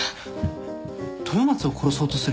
豊松を殺そうとする理由は？